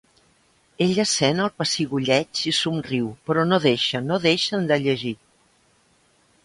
Ella sent el pessigolleig i somriu, però no deixa, no deixen, de llegir.